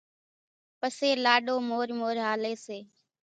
پسي لاڏو مورِ مورِ ھالي سي۔